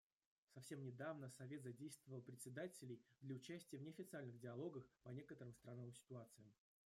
Совсем недавно Совет задействовал председателей для участия в неофициальных диалогах по некоторым страновым ситуациям.